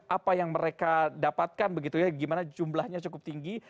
apa yang mereka dapatkan begitu ya gimana jumlahnya cukup tinggi